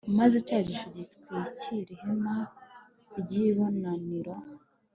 Maze cya gicu gitwikira ihema ry ibonaniro